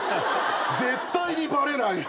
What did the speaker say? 絶対にバレない。